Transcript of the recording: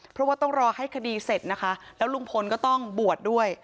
เพราะว่าต้องรอให้คดีเสร็จนะคะแล้วลุงพลก็ต้องบวชด้วย